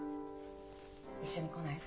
一緒に来ない？